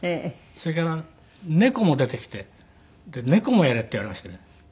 それから猫も出てきて猫もやれって言われましてね。